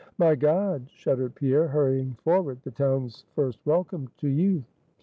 "My God!" shuddered Pierre, hurrying forward, "the town's first welcome to youth!"